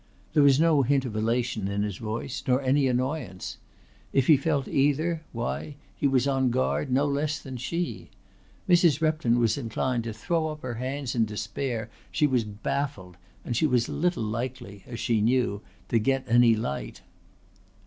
There was no hint of elation in his voice nor any annoyance. If he felt either, why, he was on guard no less than she. Mrs. Repton was inclined to throw up her hands in despair. She was baffled and she was little likely, as she knew, to get any light.